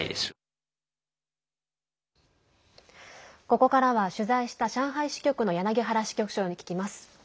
ここからは取材した上海支局の柳原支局長に聞きます。